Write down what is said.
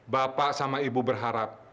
bapak sama ibu berharap